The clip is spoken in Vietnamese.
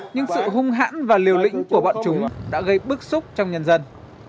nhưng sự hung hãn và liều lĩnh của bọn chúng đã gây bức xúc trong nhân dân